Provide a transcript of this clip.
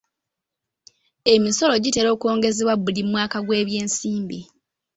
Emisolo gitera okwongezebwa buli mwaka gw'ebyensimbi.